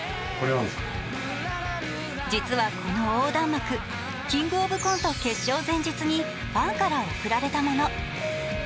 実はこの横断幕、「キングオブコント」決勝前日にファンから贈られたもの。